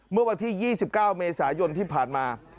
เมื่อวันที่๒๙เมษายนที่ผ่านมา